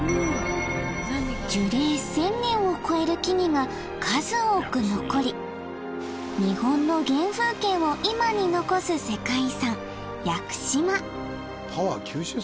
樹齢１０００年を超える木々が数多く残り日本の原風景を今に残す世界遺産屋久島